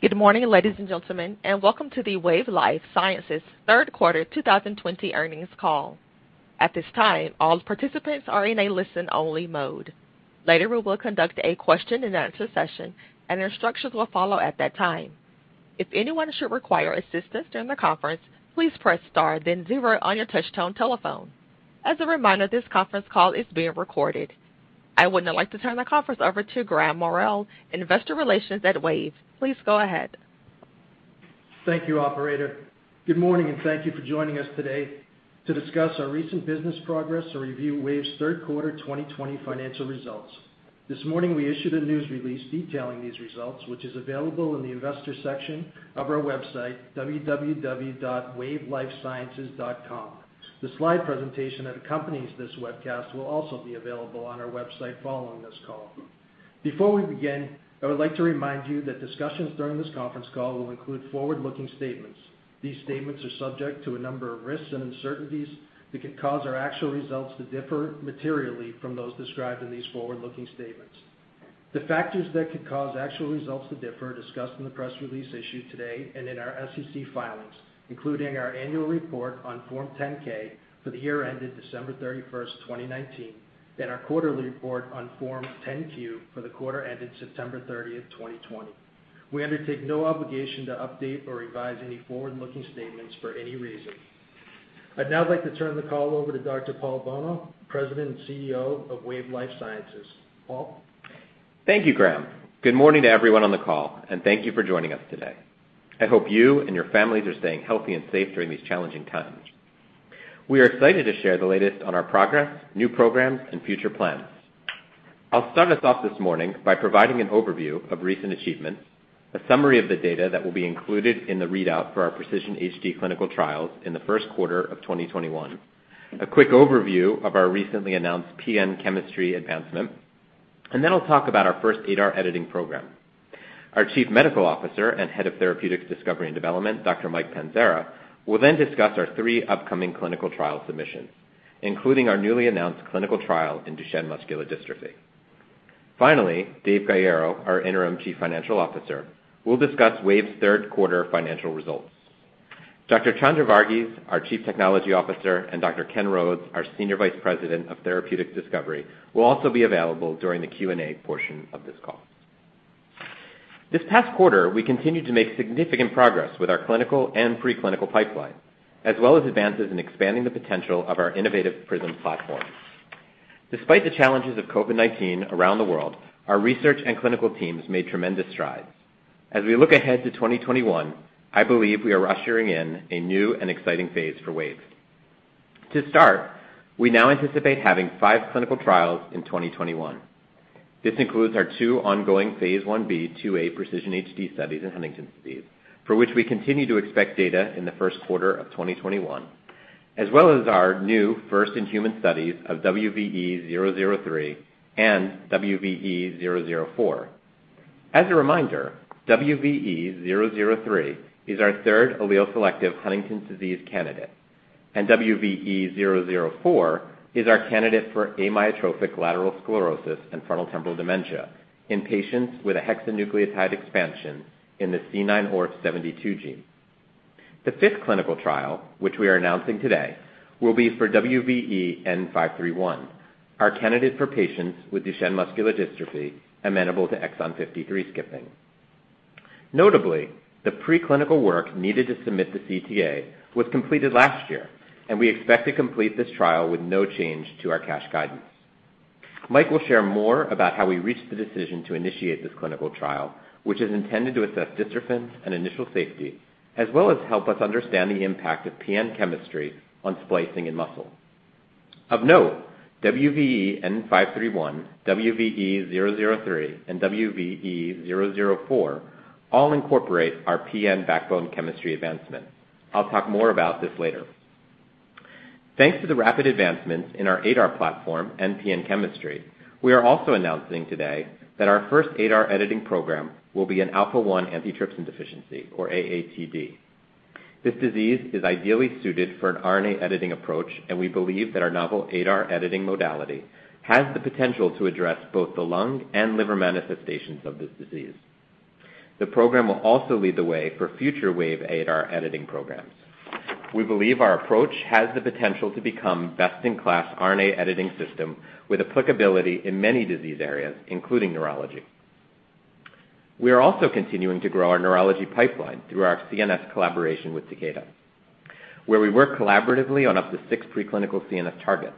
Good morning, ladies and gentlemen, welcome to the Wave Life Sciences Third Quarter 2020 earnings call. At this time, all participants are in a listen-only mode. Later, we will conduct a question and answer session, and instructions will follow at that time. If anyone should require assistance during the conference, please press star then zero on your touchtone telephone. As a reminder, this conference call is being recorded. I would now like to turn the conference over to Graham Morrell, Investor Relations at Wave. Please go ahead. Thank you, Operator. Good morning, and thank you for joining us today to discuss our recent business progress and review Wave's third quarter 2020 financial results. This morning, we issued a news release detailing these results, which is available in the Investors section of our website, www.wavelifesciences.com. The slide presentation that accompanies this webcast will also be available on our website following this call. Before we begin, I would like to remind you that discussions during this conference call will include forward-looking statements. These statements are subject to a number of risks and uncertainties that could cause our actual results to differ materially from those described in these forward-looking statements. The factors that could cause actual results to differ are discussed in the press release issued today and in our SEC filings, including our annual report on Form 10-K for the year ended December 31st, 2019, and our quarterly report on Form 10-Q for the quarter ended September 30th, 2020. We undertake no obligation to update or revise any forward-looking statements for any reason. I'd now like to turn the call over to Dr. Paul Bolno, President and CEO of Wave Life Sciences. Paul? Thank you, Graham. Good morning to everyone on the call, and thank you for joining us today. I hope you and your families are staying healthy and safe during these challenging times. We are excited to share the lateston our progress, new programs, and future plans. I'll start us off this morning by providing an overview of recent achievements, a summary of the data that will be included in the readout for our PRECISION-HD clinical trial in the first quarter of 2021, a quick overview of our recently announced PN chemistry advancement, and then I'll talk about our first ADAR editing program. Our Chief Medical Officer and Head of Therapeutics Discovery and Development, Dr. Mike Panzara, will then discuss our three upcoming clinical trial submissions, including our newly announced clinical trial in Duchenne muscular dystrophy. Finally, Dave Gaiero, our Interim Chief Financial Officer, will discuss Wave's third quarter financial results. Dr. Chandra Vargeese, our Chief Technology Officer, and Dr. Ken Rhodes, our Senior Vice President of Therapeutics Discovery, will also be available during the Q&A portion of this call. This past quarter, we continued to make significant progress with our clinical and pre-clinical pipeline, as well as advances in expanding the potential of our innovative PRISM platform. Despite the challenges of COVID-19 around the world, our research and clinical teams made tremendous strides. As we look ahead to 2021, I believe we are ushering in a new and exciting phase for Wave. To start, we now anticipate having five clinical trials in 2021. This includes our two ongoing phase I-B/II-A PRECISION-HD studies in Huntington's disease, for which we continue to expect data in the first quarter of 2021, as well as our new first-in-human studies of WVE-003 and WVE-004. As a reminder, WVE-003 is our third allele-selective Huntington's disease candidate, and WVE-004 is our candidate for amyotrophic lateral sclerosis and frontotemporal dementia in patients with a hexanucleotide expansion in the C9orf72 gene. The fifth clinical trial, which we are announcing today, will be for WVE-N531, our candidate for patients with Duchenne muscular dystrophy amenable to exon 53 skipping. Notably, the pre-clinical work needed to submit the CTA was completed last year, and we expect to complete this trial with no change to our cash guidance. Mike will share more about how we reached the decision to initiate this clinical trial, which is intended to assess dystrophin and initial safety, as well as help us understand the impact of PN chemistry on splicing in muscle. Of note, WVE-N531, WVE-003, and WVE-004 all incorporate our PN backbone chemistry advancement. I'll talk more about this later. Thanks to the rapid advancements in our ADAR platform and PN chemistry, we are also announcing today that our first ADAR editing program will be in alpha-1 antitrypsin deficiency, or AATD. This disease is ideally suited for an RNA editing approach, and we believe that our novel ADAR editing modality has the potential to address both the lung and liver manifestations of this disease. The program will also lead the way for future Wave ADAR editing programs. We believe our approach has the potential to become best-in-class RNA editing system with applicability in many disease areas, including neurology. We are also continuing to grow our neurology pipeline through our CNS collaboration with Takeda. Where we work collaboratively on up to six pre-clinical CNS targets.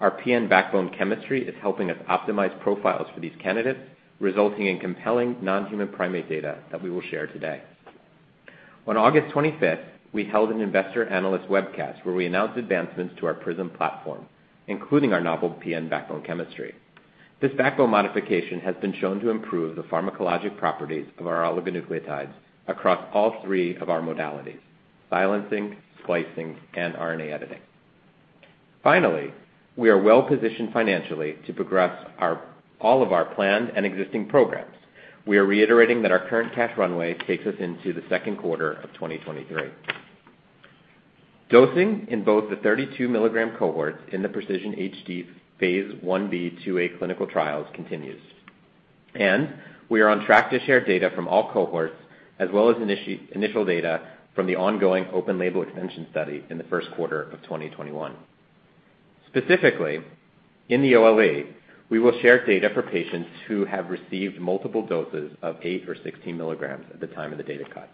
Our PN backbone chemistry is helping us optimize profiles for these candidates, resulting in compelling non-human primate data that we will share today. On August 25th, we held an Investor Analyst Webcast where we announced advancements to our PRISM platform, including our novel PN backbone chemistry. This backbone modification has been shown to improve the pharmacologic properties of our oligonucleotides across all three of our modalities, silencing, splicing, and RNA editing. We are well positioned financially to progress all of our planned and existing programs. We are reiterating that our current cash runway takes us into the second quarter of 2023. Dosing in both the 32-mg cohorts in the PRECISION-HD phase I-B/II-A clinical trials continues. We are on track to share data from all cohorts as well as initial data from the ongoing open-label extension study in the first quarter of 2021. Specifically, in the OLE, we will share data for patients who have received multiple doses of 8 mg or 16 mg at the time of the data cut.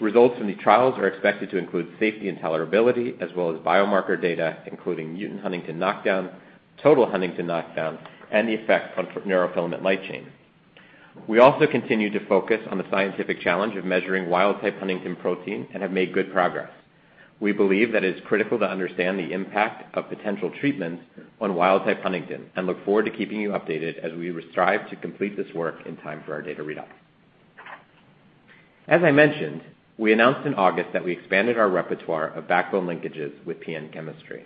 Results from the trials are expected to include safety and tolerability, as well as biomarker data, including mutant huntingtin knockdown, total huntingtin knockdown, and the effect on neurofilament light chain. We also continue to focus on the scientific challenge of measuring wild type huntingtin protein and have made good progress. We believe that it's critical to understand the impact of potential treatments on wild type huntingtin, and look forward to keeping you updated as we strive to complete this work in time for our data readout. As I mentioned, we announced in August that we expanded our repertoire of backbone linkages with PN chemistry.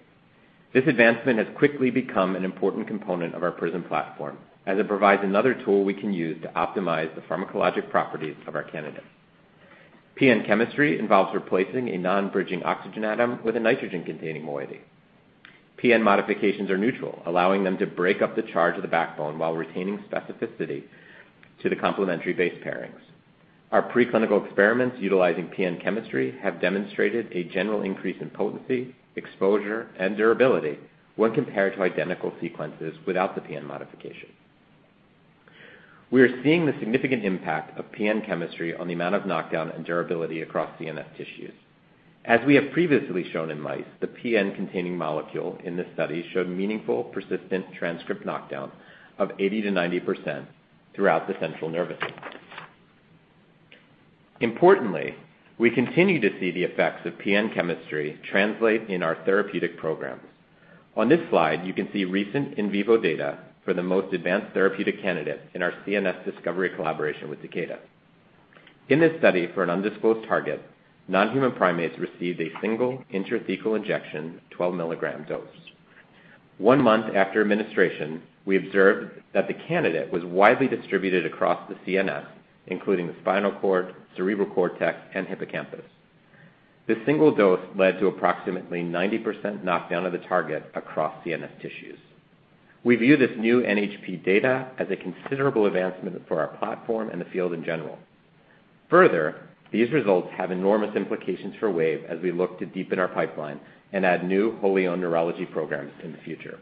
This advancement has quickly become an important component of our PRISM platform, as it provides another tool we can use to optimize the pharmacologic properties of our candidates. PN chemistry involves replacing a non-bridging oxygen atom with a nitrogen-containing moiety. PN modifications are neutral, allowing them to break up the charge of the backbone while retaining specificity to the complementary base pairings. Our preclinical experiments utilizing PN chemistry have demonstrated a general increase in potency, exposure, and durability when compared to identical sequences without the PN modification. We are seeing the significant impact of PN chemistry on the amount of knockdown and durability across CNS tissues. As we have previously shown in mice, the PN-containing molecule in this study showed meaningful, persistent transcript knockdown of 80%-90% throughout the central nervous system. Importantly, we continue to see the effects of PN chemistry translate in our therapeutic programs. On this slide, you can see recent in vivo data for the most advanced therapeutic candidate in our CNS discovery collaboration with Takeda. In this study for an undisclosed target, non-human primates received a single intrathecal injection of 12-mg dose. One month after administration, we observed that the candidate was widely distributed across the CNS, including the spinal cord, cerebral cortex, and hippocampus. This single dose led to approximately 90% knockdown of the target across CNS tissues. We view this new NHP data as a considerable advancement for our platform and the field in general. These results have enormous implications for Wave as we look to deepen our pipeline and add new wholly owned neurology programs in the future.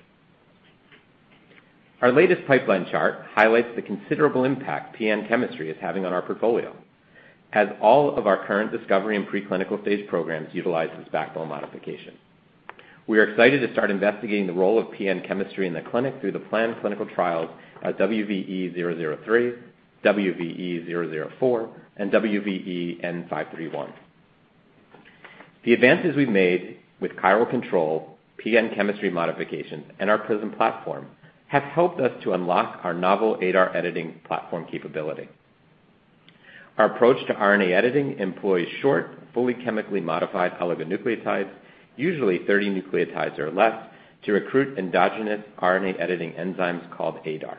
Our latest pipeline chart highlights the considerable impact PN chemistry is having on our portfolio, as all of our current discovery and preclinical stage programs utilize this backbone modification. We are excited to start investigating the role of PN chemistry in the clinic through the planned clinical trials at WVE-003, WVE-004, and WVE-N531. The advances we've made with chiral control, PN chemistry modifications, and our PRISM platform have helped us to unlock our novel ADAR editing platform capability. Our approach to RNA editing employs short, fully chemically modified oligonucleotides, usually 30 nucleotides or less, to recruit endogenous RNA editing enzymes called ADAR.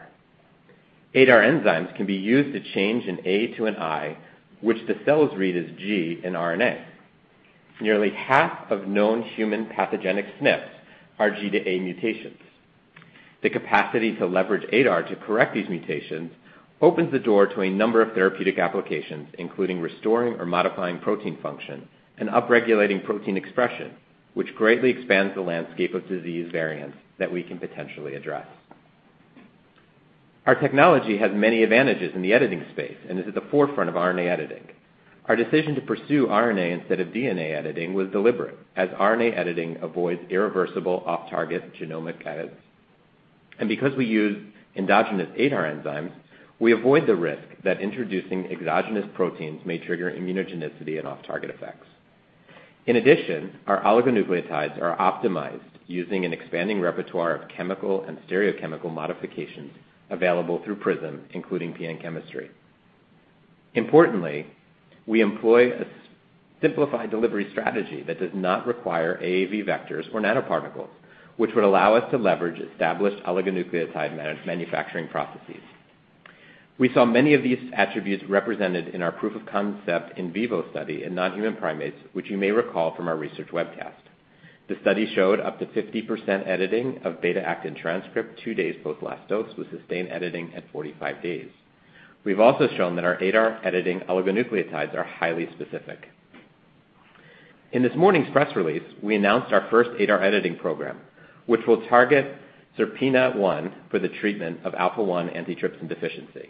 ADAR enzymes can be used to change an A to an I, which the cells read as G in RNA. Nearly half of known human pathogenic SNPs are G to A mutations. The capacity to leverage ADAR to correct these mutations opens the door to a number of therapeutic applications, including restoring or modifying protein function and upregulating protein expression, which greatly expands the landscape of disease variants that we can potentially address. Our technology has many advantages in the editing space and is at the forefront of RNA editing. Our decision to pursue RNA instead of DNA editing was deliberate, as RNA editing avoids irreversible off-target genomic edits. Because we use endogenous ADAR enzymes, we avoid the risk that introducing exogenous proteins may trigger immunogenicity and off-target effects. In addition, our oligonucleotides are optimized using an expanding repertoire of chemical and stereochemical modifications available through PRISM, including PN chemistry. Importantly, we employ a simplified delivery strategy that does not require AAV vectors or nanoparticles, which would allow us to leverage established oligonucleotide manufacturing processes. We saw many of these attributes represented in our proof of concept in vivo study in non-human primates, which you may recall from our research webcast. The study showed up to 50% editing of beta-actin transcript two days post-last dose with sustained editing at 45 days. We've also shown that our ADAR editing oligonucleotides are highly specific. In this morning's press release, we announced our first ADAR editing program, which will target SERPINA1 for the treatment of alpha-1 antitrypsin deficiency.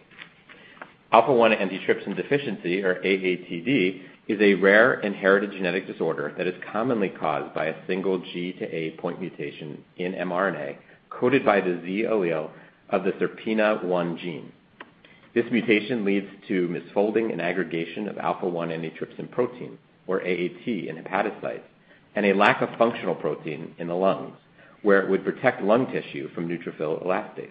Alpha-1 antitrypsin deficiency, or AATD, is a rare inherited genetic disorder that is commonly caused by a single G to A point mutation in mRNA coded by the Z allele of the SERPINA1 gene. This mutation leads to misfolding and aggregation of alpha-1 antitrypsin protein, or AAT, in hepatocytes, and a lack of functional protein in the lungs, where it would protect lung tissue from neutrophil elastase.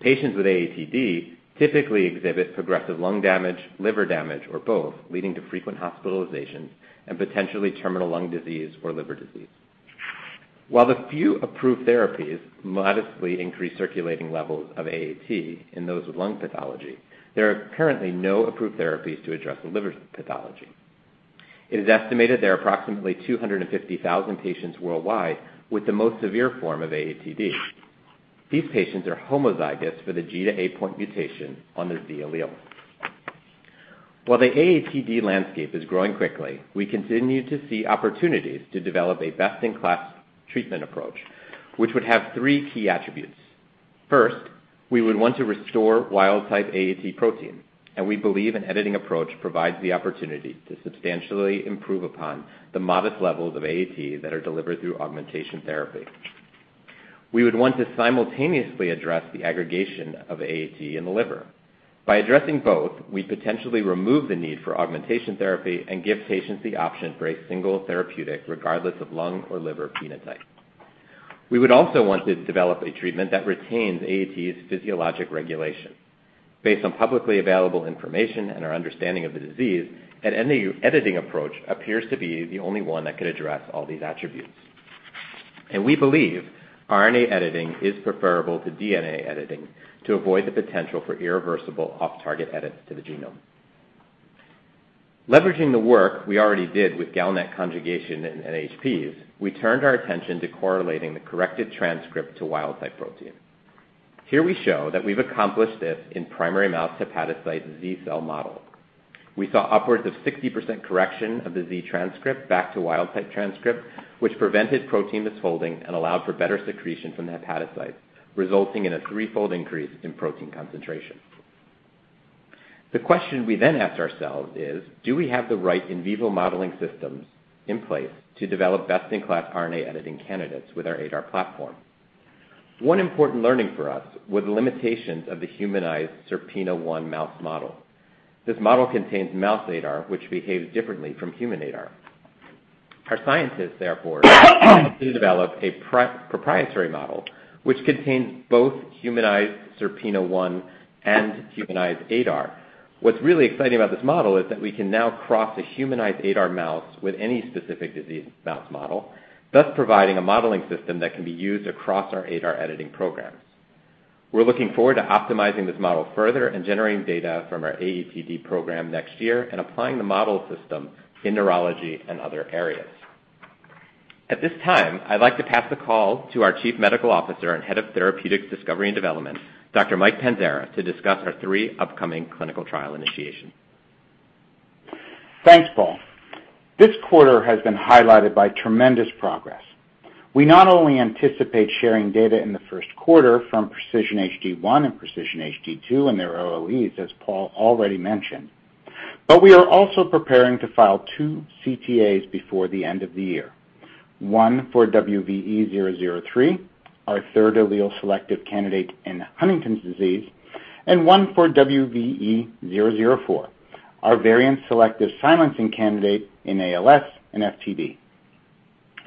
Patients with AATD typically exhibit progressive lung damage, liver damage, or both, leading to frequent hospitalizations and potentially terminal lung disease or liver disease. While the few approved therapies modestly increase circulating levels of AAT in those with lung pathology, there are currently no approved therapies to address the liver pathology. It is estimated there are approximately 250,000 patients worldwide with the most severe form of AATD. These patients are homozygous for the G to A point mutation on their Z allele. While the AATD landscape is growing quickly, we continue to see opportunities to develop a best-in-class treatment approach, which would have three key attributes. First, we would want to restore wild-type AAT protein, and we believe an editing approach provides the opportunity to substantially improve upon the modest levels of AAT that are delivered through augmentation therapy. We would want to simultaneously address the aggregation of AAT in the liver. By addressing both, we potentially remove the need for augmentation therapy and give patients the option for a single therapeutic, regardless of lung or liver phenotype. We would also want to develop a treatment that retains AAT's physiologic regulation. Based on publicly available information and our understanding of the disease, an editing approach appears to be the only one that could address all these attributes. We believe RNA editing is preferable to DNA editing to avoid the potential for irreversible off-target edits to the genome. Leveraging the work we already did with GalNAc conjugation in NHPs, we turned our attention to correlating the corrected transcript to wild-type protein. Here we show that we've accomplished this in primary mouse hepatocyte Z cell model. We saw upwards of 60% correction of the Z transcript back to wild-type transcript, which prevented protein misfolding and allowed for better secretion from the hepatocyte, resulting in a threefold increase in protein concentration. The question we then asked ourselves is, do we have the right in vivo modeling systems in place to develop best-in-class RNA editing candidates with our ADAR platform? One important learning for us were the limitations of the humanized SERPINA1 mouse model. This model contains mouse ADAR, which behaves differently from human ADAR. Our scientists therefore developed a proprietary model which contains both humanized SERPINA1 and humanized ADAR. What's really exciting about this model is that we can now cross a humanized ADAR mouse with any specific disease mouse model, thus providing a modeling system that can be used across our ADAR editing programs. We're looking forward to optimizing this model further and generating data from our AATD program next year and applying the model system in neurology and other areas. At this time, I'd like to pass the call to our Chief Medical Officer and Head of Therapeutics Discovery and Development, Dr. Mike Panzara, to discuss our three upcoming clinical trial initiations. Thanks, Paul. This quarter has been highlighted by tremendous progress. We not only anticipate sharing data in the first quarter from PRECISION-HD1 and PRECISION-HD2 and their OLEs, as Paul already mentioned, but we are also preparing to file two CTAs before the end of the year. One for WVE-003, our third allele-selective candidate in Huntington's disease, and one for WVE-004, our variant selective silencing candidate in ALS and FTD.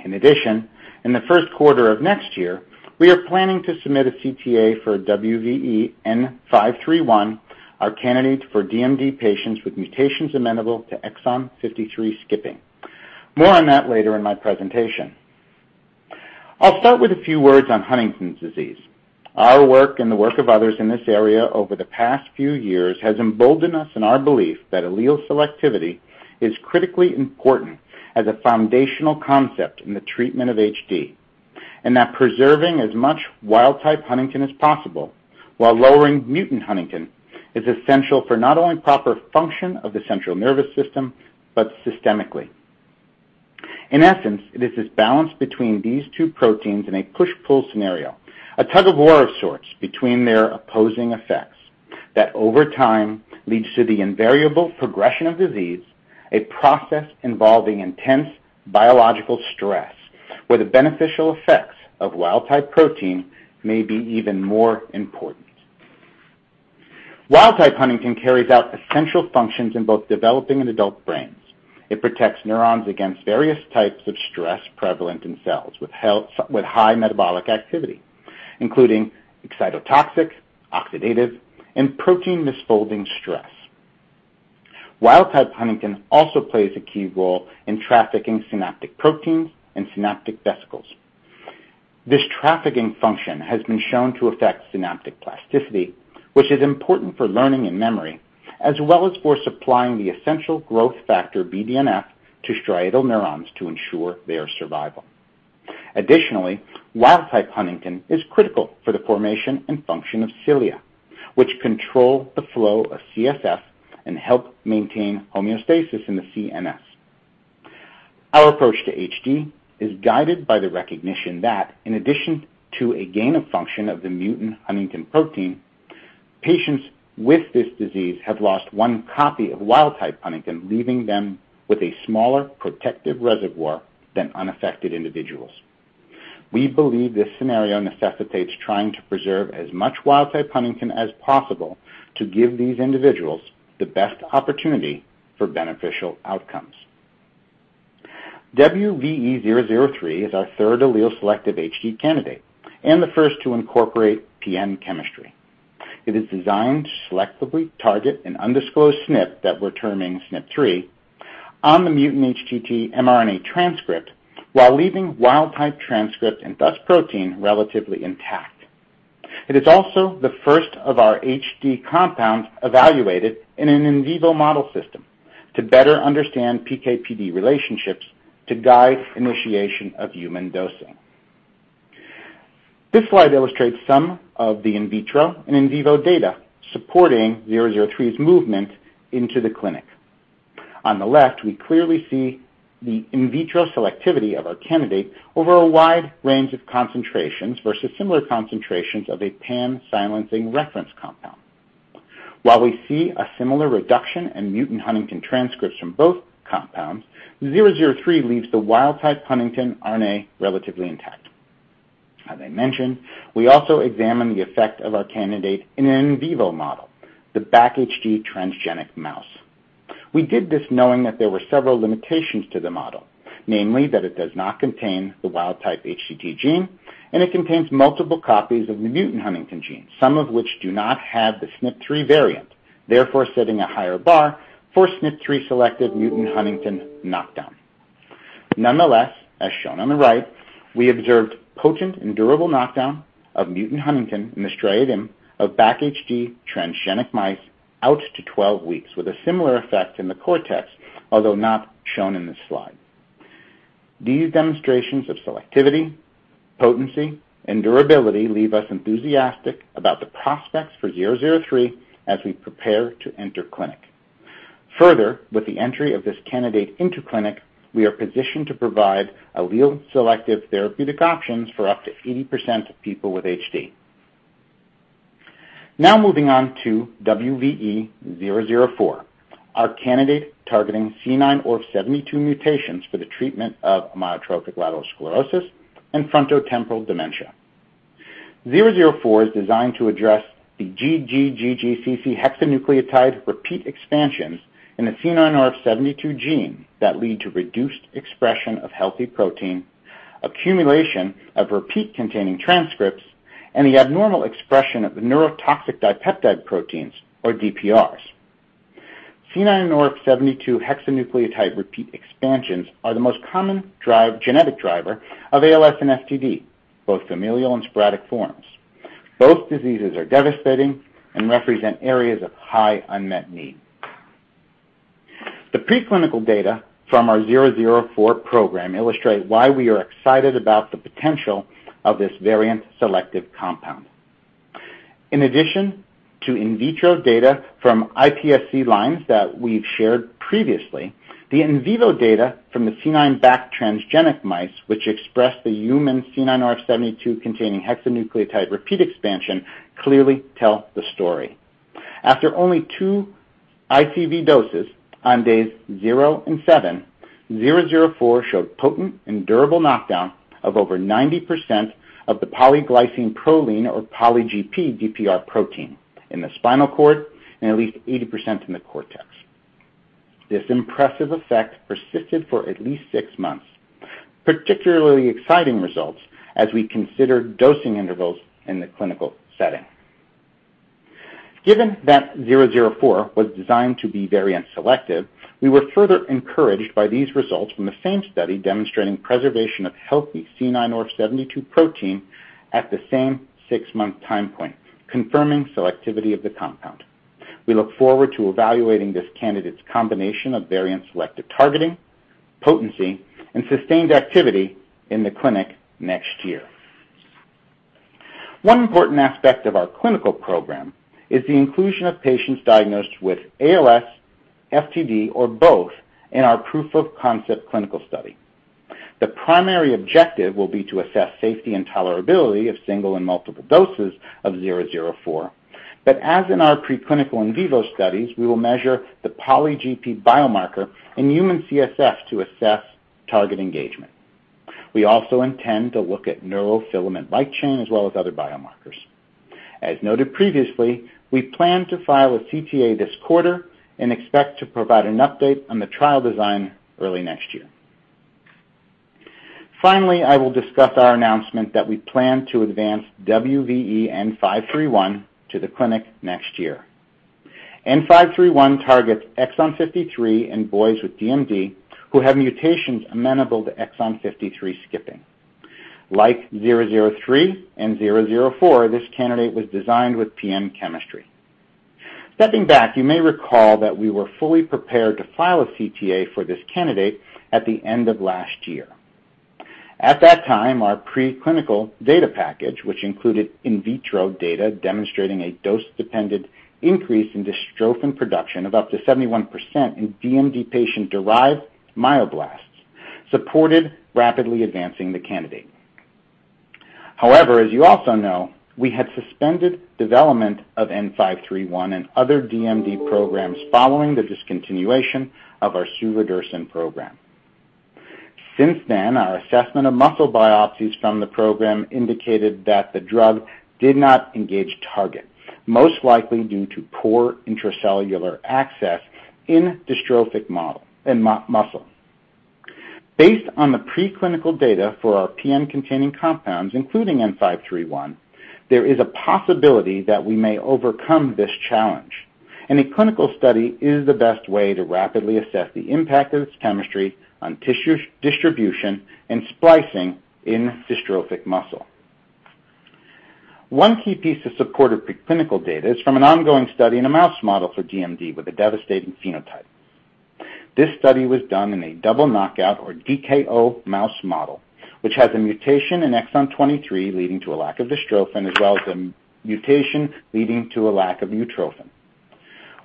In addition, in the first quarter of next year, we are planning to submit a CTA for WVE-N531, our candidate for DMD patients with mutations amenable to exon 53 skipping. More on that later in my presentation. I'll start with a few words on Huntington's disease. Our work and the work of others in this area over the past few years has emboldened us in our belief that allele selectivity is critically important as a foundational concept in the treatment of HD, and that preserving as much wild-type huntingtin as possible while lowering mutant huntingtin is essential for not only proper function of the central nervous system, but systemically. In essence, it is this balance between these two proteins in a push-pull scenario, a tug of war of sorts between their opposing effects, that over time leads to the invariable progression of disease, a process involving intense biological stress, where the beneficial effects of wild type protein may be even more important. Wild type huntingtin carries out essential functions in both developing and adult brains. It protects neurons against various types of stress prevalent in cells with high metabolic activity, including excitotoxic, oxidative, and protein misfolding stress. Wild-type huntingtin also plays a key role in trafficking synaptic proteins and synaptic vesicles. This trafficking function has been shown to affect synaptic plasticity, which is important for learning and memory, as well as for supplying the essential growth factor BDNF to striatal neurons to ensure their survival. Additionally, wild-type huntingtin is critical for the formation and function of cilia, which control the flow of CSF and help maintain homeostasis in the CNS. Our approach to HD is guided by the recognition that in addition to a gain of function of the mutant huntingtin protein, patients with this disease have lost one copy of wild type huntingtin, leaving them with a smaller protective reservoir than unaffected individuals. We believe this scenario necessitates trying to preserve as much wild type huntingtin as possible to give these individuals the best opportunity for beneficial outcomes. WVE-003 is our third allele selective HD candidate and the first to incorporate PN chemistry. It is designed to selectively target an undisclosed SNP that we're terming SNP3 on the mutant HTT mRNA transcript, while leaving wild-type transcript, and thus protein, relatively intact. It is also the first of our HD compounds evaluated in an in vivo model system to better understand PK/PD relationships to guide initiation of human dosing. This slide illustrates some of the in vitro and in vivo data supporting 003's movement into the clinic. On the left, we clearly see the in vitro selectivity of our candidate over a wide range of concentrations versus similar concentrations of a pan-silencing reference compound. While we see a similar reduction in mutant huntingtin transcripts from both compounds, 003 leaves the wild-type huntingtin RNA relatively intact. As I mentioned, we also examined the effect of our candidate in an in vivo model, the BACHD transgenic mouse. We did this knowing that there were several limitations to the model, namely that it does not contain the wild-type HTT gene, and it contains multiple copies of the mutant huntingtin gene, some of which do not have the SNP3 variant, therefore setting a higher bar for SNP3-selective mutant huntingtin knockdown. Nonetheless, as shown on the right, we observed potent and durable knockdown of mutant huntingtin in the striatum of BACHD transgenic mice out to 12 weeks, with a similar effect in the cortex, although not shown in this slide. These demonstrations of selectivity, potency, and durability leave us enthusiastic about the prospects for WVE-003 as we prepare to enter clinic. With the entry of this candidate into clinic, we are positioned to provide allele-selective therapeutic options for up to 80% of people with HD. Moving on to WVE-004, our candidate targeting C9orf72 mutations for the treatment of amyotrophic lateral sclerosis and frontotemporal dementia. WVE-004 is designed to address the GGGGCC hexanucleotide repeat expansions in the C9orf72 gene that lead to reduced expression of healthy protein, accumulation of repeat-containing transcripts, and the abnormal expression of the neurotoxic dipeptide proteins, or DPRs. C9orf72 hexanucleotide repeat expansions are the most common genetic driver of ALS and FTD, both familial and sporadic forms. Both diseases are devastating and represent areas of high unmet need. The preclinical data from our 004 program illustrate why we are excited about the potential of this variant-selective compound. In addition to in vitro data from iPSC lines that we've shared previously, the in vivo data from the C9 BAC transgenic mice, which express the human C9orf72 containing hexanucleotide repeat expansion, clearly tell the story. After only two ICV doses on days zero and seven, 004 showed potent and durable knockdown of over 90% of the polyglycine-proline, or Poly-GP DPR protein in the spinal cord and at least 80% in the cortex. This impressive effect persisted for at least six months. Particularly exciting results as we consider dosing intervals in the clinical setting. Given that 004 was designed to be variant selective, we were further encouraged by these results from the same study demonstrating preservation of healthy C9orf72 protein at the same six-month time point, confirming selectivity of the compound. We look forward to evaluating this candidate's combination of variant-selective targeting, potency, and sustained activity in the clinic next year. One important aspect of our clinical program is the inclusion of patients diagnosed with ALS, FTD, or both in our proof-of-concept clinical study. The primary objective will be to assess safety and tolerability of single and multiple doses of 004. As in our preclinical in vivo studies, we will measure the Poly-GP biomarker in human CSF to assess target engagement. We also intend to look at neurofilament light chain as well as other biomarkers. As noted previously, we plan to file a CTA this quarter and expect to provide an update on the trial design early next year. Finally, I will discuss our announcement that we plan to advance WVE-N531 to the clinic next year. N531 targets exon 53 in boys with DMD who have mutations amenable to exon 53 skipping. Like 003 and 004, this candidate was designed with PN chemistry. Stepping back, you may recall that we were fully prepared to file a CTA for this candidate at the end of last year. At that time, our preclinical data package, which included in vitro data demonstrating a dose-dependent increase in dystrophin production of up to 71% in DMD patient-derived myoblasts, supported rapidly advancing the candidate. As you also know, we had suspended development of N531 and other DMD programs following the discontinuation of our suvodirsen program. Since then, our assessment of muscle biopsies from the program indicated that the drug did not engage target, most likely due to poor intracellular access in dystrophic muscle. Based on the preclinical data for our PN-containing compounds, including N531, there is a possibility that we may overcome this challenge, and a clinical study is the best way to rapidly assess the impact of this chemistry on tissue distribution and splicing in dystrophic muscle. One key piece of supportive preclinical data is from an ongoing study in a mouse model for DMD with a devastating phenotype. This study was done in a double knockout, or DKO mouse model, which has a mutation in exon 23 leading to a lack of dystrophin, as well as a mutation leading to a lack of utrophin.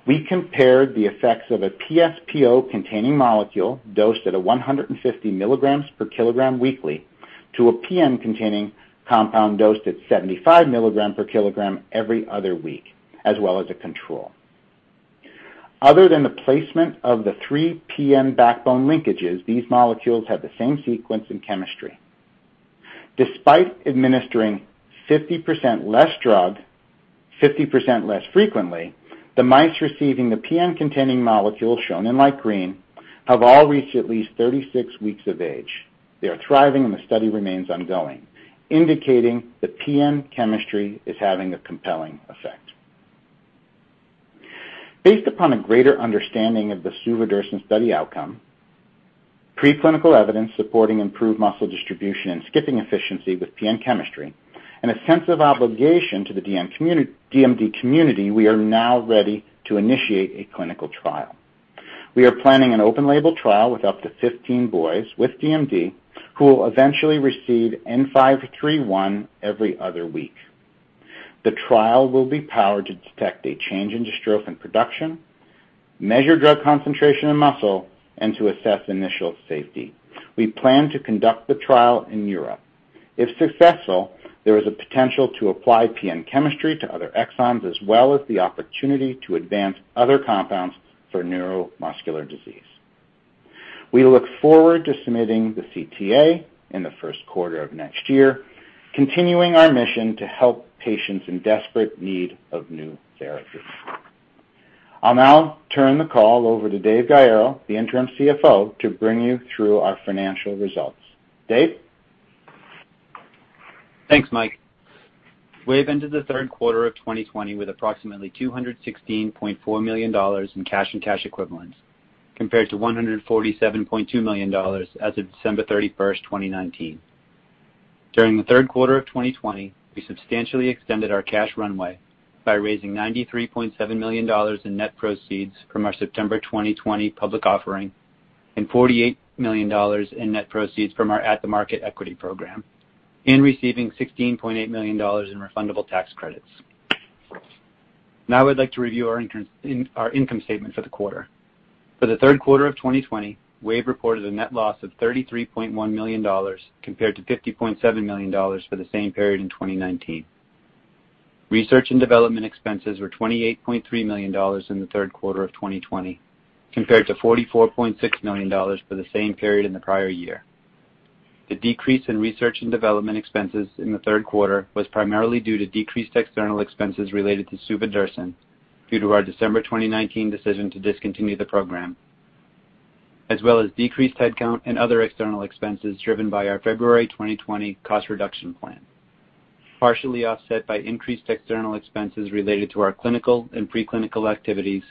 We compared the effects of a PS/PO-containing molecule dosed at 150 mg/kg weekly to a PN-containing compound dosed at 75 mg/kg every other week, as well as a control. Other than the placement of the three PN backbone linkages, these molecules have the same sequence and chemistry. Despite administering 50% less drug 50% less frequently, the mice receiving the PN-containing molecule, shown in light green, have all reached at least 36 weeks of age. They are thriving, and the study remains ongoing, indicating the PN chemistry is having a compelling effect. Based upon a greater understanding of the suvodirsen study outcome, preclinical evidence supporting improved muscle distribution and skipping efficiency with PN chemistry, and a sense of obligation to the DMD community, we are now ready to initiate a clinical trial. We are planning an open label trial with up to 15 boys with DMD who will eventually receive N531 every other week. The trial will be powered to detect a change in dystrophin production, measure drug concentration in muscle, and to assess initial safety. We plan to conduct the trial in Europe. If successful, there is a potential to apply PN chemistry to other exons, as well as the opportunity to advance other compounds for neuromuscular disease. We look forward to submitting the CTA in the first quarter of next year, continuing our mission to help patients in desperate need of new therapies. I'll now turn the call over to Dave Gaiero, the interim CFO, to bring you through our financial results. Dave? Thanks, Mike. Wave entered the third quarter of 2020 with approximately $216.4 million in cash and cash equivalents, compared to $147.2 million as of December 31st, 2019. During the third quarter of 2020, we substantially extended our cash runway by raising $93.7 million in net proceeds from our September 2020 public offering, and $48 million in net proceeds from our at-the-market equity program, and receiving $16.8 million in refundable tax credits. Now I'd like to review our income statement for the quarter. For the third quarter of 2020, Wave reported a net loss of $33.1 million, compared to $50.7 million for the same period in 2019. Research and development expenses were $28.3 million in the third quarter of 2020, compared to $44.6 million for the same period in the prior year. The decrease in research and development expenses in the third quarter was primarily due to decreased external expenses related to suvodirsen due to our December 2019 decision to discontinue the program, as well as decreased headcount and other external expenses driven by our February 2020 cost reduction plan, partially offset by increased external expenses related to our clinical and pre-clinical activities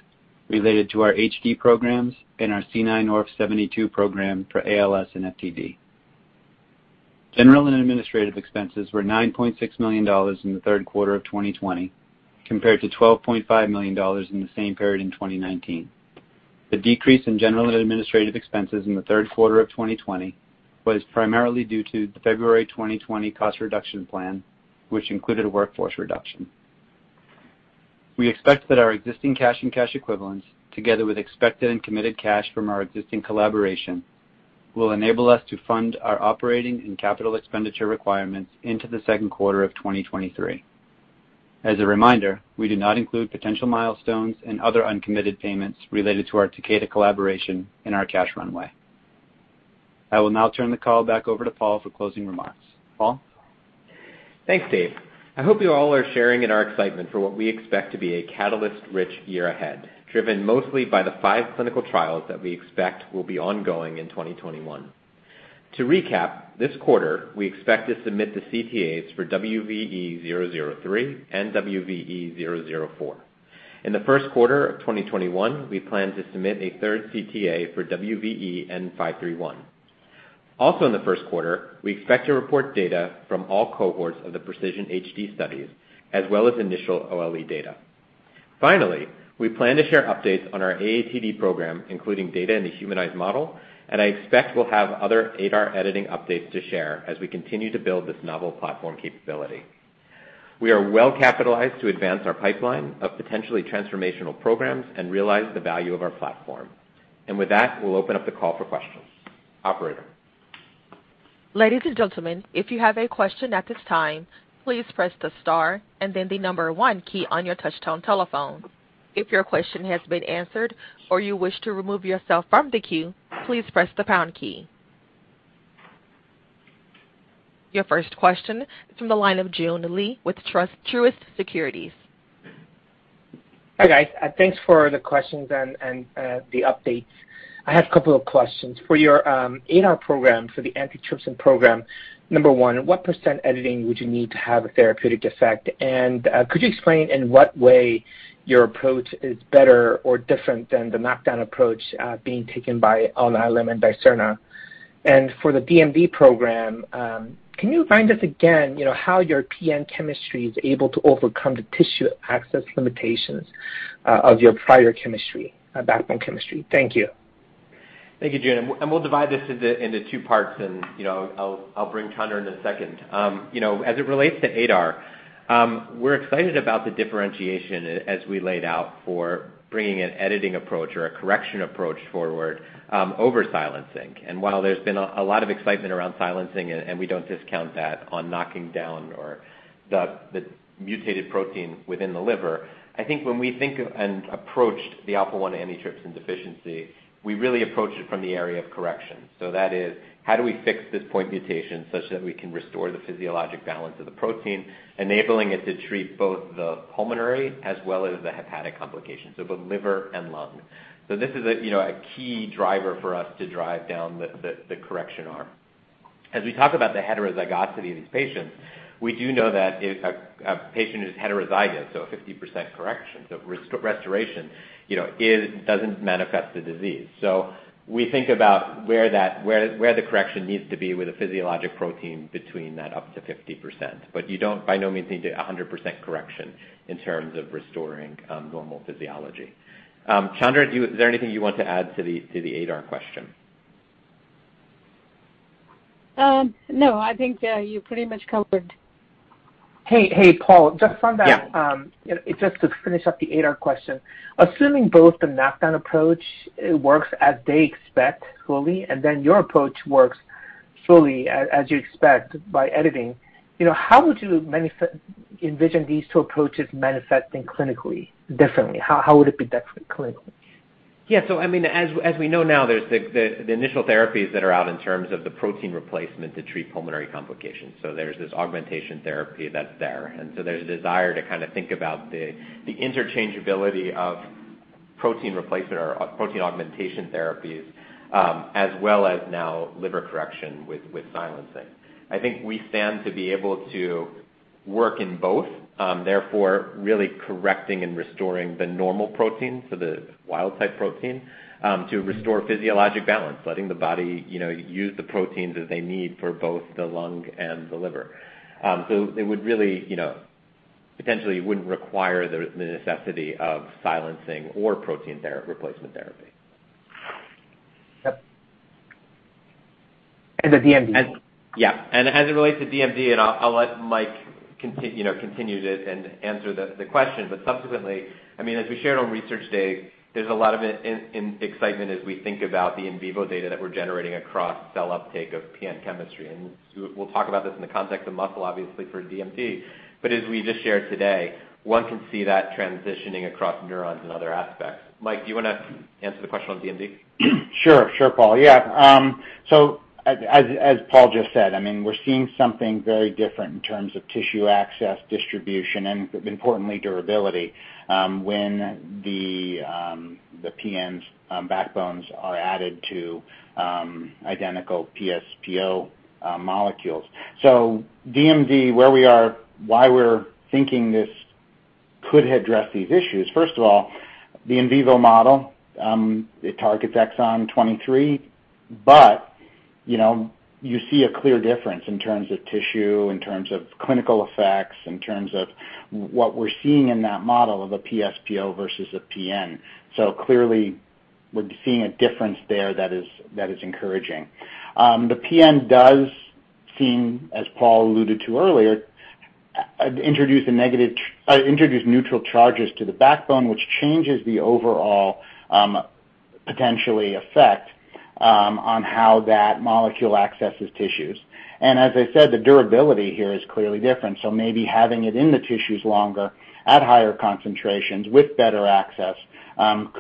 related to our HD programs and our C9orf72 program for ALS and FTD. General and administrative expenses were $9.6 million in the third quarter of 2020 compared to $12.5 million in the same period in 2019. The decrease in general and administrative expenses in the third quarter of 2020 was primarily due to the February 2020 cost reduction plan, which included a workforce reduction. We expect that our existing cash and cash equivalents, together with expected and committed cash from our existing collaboration, will enable us to fund our operating and capital expenditure requirements into the second quarter of 2023. As a reminder, we do not include potential milestones and other uncommitted payments related to our Takeda collaboration in our cash runway. I will now turn the call back over to Paul for closing remarks. Paul? Thanks, Dave. I hope you all are sharing in our excitement for what we expect to be a catalyst-rich year ahead, driven mostly by the five clinical trials that we expect will be ongoing in 2021. To recap, this quarter, we expect to submit the CTAs for WVE-003 and WVE-004. In the first quarter of 2021, we plan to submit a third CTA for WVE-N531. Also in the first quarter, we expect to report data from all cohorts of the PRECISION-HD studies, as well as initial OLE data. Finally, we plan to share updates on our AATD program, including data in the humanized model, and I expect we'll have other ADAR editing updates to share as we continue to build this novel platform capability. We are well-capitalized to advance our pipeline of potentially transformational programs and realize the value of our platform. With that, we'll open up the call for questions. Operator? Your first question from the line of Joon Lee with Truist Securities. Hi, guys. Thanks for the questions and the updates. I have a couple of questions. For your ADAR program, for the antitrypsin program, number one, what percent editing would you need to have a therapeutic effect? Could you explain in what way your approach is better or different than the knockdown approach being taken by Alnylam and Dicerna? For the DMD program, can you remind us again, how your PN chemistry is able to overcome the tissue access limitations of your prior backbone chemistry? Thank you. Thank you, Joon. We'll divide this into two parts and I'll bring Chandra in a second. As it relates to ADAR, we're excited about the differentiation as we laid out for bringing an editing approach or a correction approach forward, over silencing. While there's been a lot of excitement around silencing, we don't discount that on knocking down the mutated protein within the liver. I think when we think of and approached the Alpha-1 antitrypsin deficiency, we really approached it from the area of correction. That is, how do we fix this point mutation such that we can restore the physiologic balance of the protein, enabling it to treat both the pulmonary as well as the hepatic complication, so both liver and lung. This is a key driver for us to drive down the correction arm. As we talk about the heterozygosity of these patients, we do know that if a patient is heterozygous, a 50% correction. Restoration, doesn't manifest the disease. We think about where the correction needs to be with a physiologic protein between that up to 50%. You don't by no means need to 100% correction in terms of restoring normal physiology. Chandra, is there anything you want to add to the ADAR question? No, I think you pretty much covered. Hey, Paul, just on that. Yeah. Just to finish up the ADAR question, assuming both the knockdown approach works as they expect fully, and then your approach works fully as you expect by editing. How would you envision these two approaches manifesting clinically differently? How would it be different clinically? Yeah. As we know now, there's the initial therapies that are out in terms of the protein replacement to treat pulmonary complications. There's this augmentation therapy that's there. There's a desire to think about the interchangeability of protein replacement or protein augmentation therapies, as well as now liver correction with silencing. I think we stand to be able to work in both, therefore really correcting and restoring the normal protein, so the wild type protein, to restore physiologic balance, letting the body use the proteins as they need for both the lung and the liver. It would really potentially wouldn't require the necessity of silencing or protein replacement therapy. Yep. The DMD? Yeah. As it relates to DMD, I'll let Mike continue to answer the question. Subsequently, as we shared on research day, there's a lot of excitement as we think about the in vivo data that we're generating across cell uptake of PN chemistry. We'll talk about this in the context of muscle, obviously, for DMD. As we just shared today, one can see that transitioning across neurons and other aspects. Mike, do you want to answer the question on DMD? Sure, Paul. As Paul just said, we're seeing something very different in terms of tissue access, distribution, and importantly, durability, when the PN's backbones are added to identical PS/PO molecules. DMD, where we are, why we're thinking this could address these issues. First of all, the in vivo model, it targets exon 23. You see a clear difference in terms of tissue, in terms of clinical effects, in terms of what we're seeing in that model of a PS/PO versus a PN. Clearly, we're seeing a difference there that is encouraging. The PN does seem, as Paul alluded to earlier, introduce neutral charges to the backbone, which changes the overall, potentially effect, on how that molecule accesses tissues. As I said, the durability here is clearly different. Maybe having it in the tissues longer at higher concentrations with better access,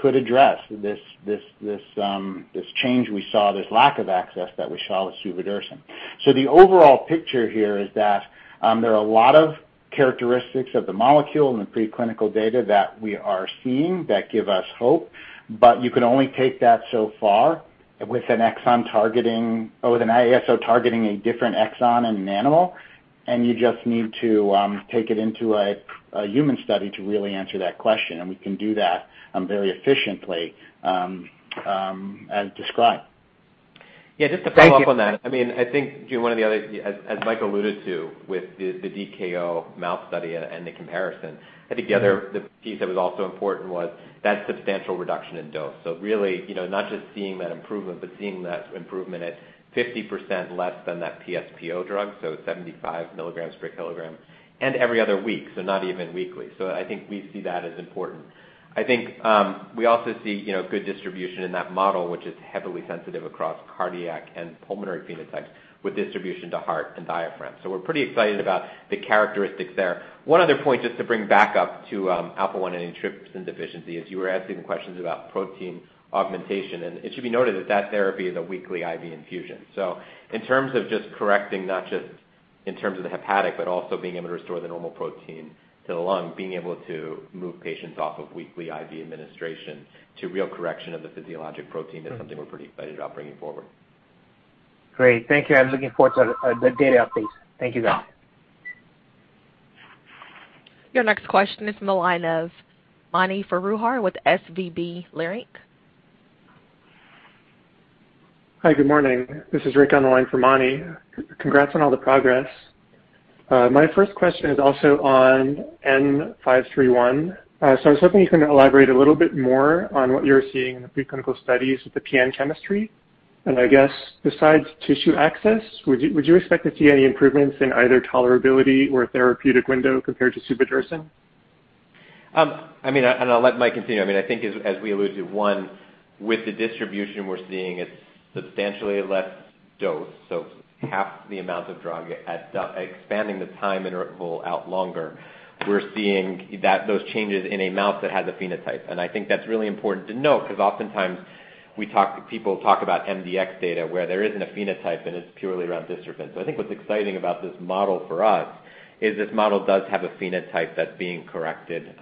could address this change we saw, this lack of access that we saw with suvodirsen. The overall picture here is that there are a lot of characteristics of the molecule in the preclinical data that we are seeing that give us hope, but you can only take that so far with an ASO targeting a different exon in an animal. You just need to take it into a human study to really answer that question, and we can do that very efficiently as described. Yeah, just to follow up on that. Thank you. I think, Joon, as Mike alluded to with the DKO mouse study and the comparison, I think the other piece that was also important was that substantial reduction in dose. Really, not just seeing that improvement, but seeing that improvement at 50% less than that PS/PO drug, so 75 mg/kg, and every other week, so not even weekly. I think we see that as important. I think, we also see good distribution in that model, which is heavily sensitive across cardiac and pulmonary phenotypes with distribution to heart and diaphragm. One other point, just to bring back up to Alpha-1 antitrypsin deficiency, as you were asking questions about protein augmentation, and it should be noted that that therapy is a weekly IV infusion. In terms of not just the hepatic, but also being able to restore the normal protein to the lung, being able to move patients off of weekly IV administration to real correction of the physiologic protein is something we're pretty excited about bringing forward. Great. Thank you. I'm looking forward to the data updates. Thank you, guys. Your next question is from the line of Mani Foroohar with SVB Leerink. Hi, good morning. This is [Rick] on the line for Mani. Congrats on all the progress. My first question is also on N531. I was hoping you could elaborate a little bit more on what you're seeing in the preclinical studies with the PN chemistry? I guess besides tissue access, would you expect to see any improvements in either tolerability or therapeutic window compared to suvodirsen? I'll let Mike continue. I think as we alluded to, one, with the distribution we're seeing it's substantially less dose, so half the amount of drug expanding the time interval out longer. We're seeing those changes in a mouse that has a phenotype. I think that's really important to note because oftentimes people talk about mdx data where there isn't a phenotype and it's purely around disturbance. I think what's exciting about this model for us is this model does have a phenotype that's being corrected,